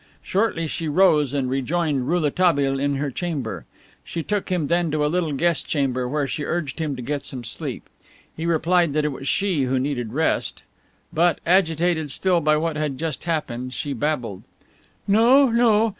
Shortly she rose and rejoined Rouletabille in her chamber. She took him then to a little guest chamber where she urged him to get some sleep. He replied that it was she who needed rest. But, agitated still by what had just happened, she babbled: "No, no!